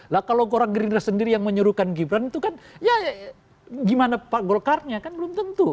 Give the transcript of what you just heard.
lah kalau orang gerindra sendiri yang menyuruhkan gibran itu kan ya gimana pak golkarnya kan belum tentu